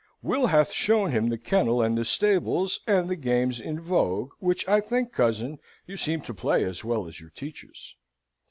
Will hath shown him the kennel and the stables; and the games in vogue, which I think, cousin, you seem to play as well as your teachers.